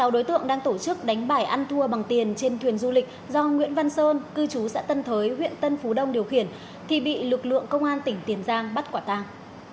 sáu đối tượng đang tổ chức đánh bải ăn thua bằng tiền trên thuyền du lịch do nguyễn văn sơn cư trú xã tân thới huyện tân phú đông điều khiển thì bị lực lượng công an tỉnh tiền giang bắt quả tàng